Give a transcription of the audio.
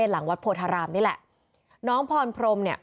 หลังวัดโพธารามนี่แหละน้องพรพรมเนี่ย